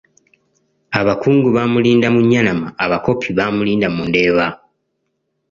Abakungu baamulinda mu Nnyanama, Abakopi baamulinda mu Ndeeba.